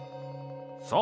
そう。